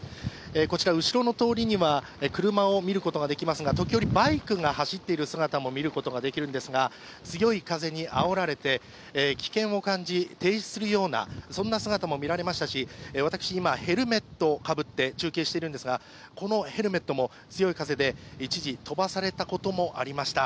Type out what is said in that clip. こちら後ろの通りには車を見ることができますが、時折バイクが走っている姿も見ることができるんですが、強い風にあおられて危険を感じ、停止するような姿も見られましたし、私、今、ヘルメットをかぶって中継しているんですが、このヘルメットも強い風で一時、飛ばされたこともありました。